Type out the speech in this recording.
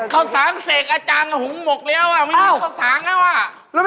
ข้าวสารเศษอาจารย์หุ่มหมกเลี้ยว